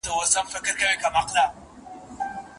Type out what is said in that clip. ځيني فاميلونه د ناوړه دودونو توان نلري.